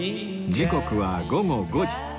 時刻は午後５時